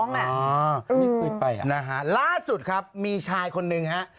มีคุยไปอ่ะนะฮะล่าสุดครับมีชายคนหนึ่งฮะ